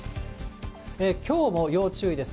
きょうも要注意です。